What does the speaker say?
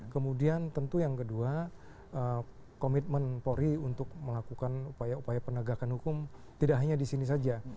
kemudian tentu yang kedua komitmen polri untuk melakukan upaya upaya penegakan hukum tidak hanya di sini saja